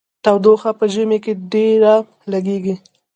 تودوخه په ژمي کې ډیره لګیږي.